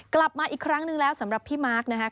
กลับมาอีกครั้งนึงแล้วสำหรับพี่มาร์คนะครับ